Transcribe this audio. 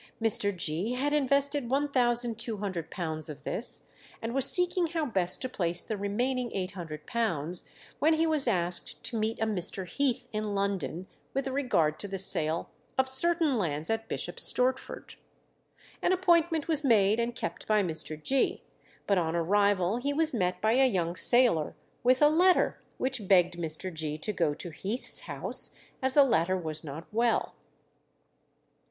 Mr. Gee had invested £1200 of this, and was seeking how best to place the remaining £800, when he was asked to meet a Mr. Heath in London with regard to the sale of certain lands at Bishop Stortford. An appointment was made and kept by Mr. Gee, but on arrival he was met by a young sailor with a letter which begged Mr. Gee to go to Heath's house, as the latter was not well.